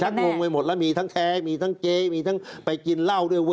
ชักงงไปหมดแล้วมีทั้งแท้มีทั้งเจ๊ไปกินเหล้าด้วย